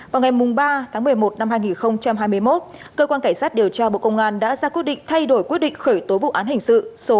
vào ngày ba tháng một mươi một năm hai nghìn hai mươi một cơ quan cảnh sát điều tra bộ công an đã ra quyết định thay đổi quyết định khởi tố vụ án hình sự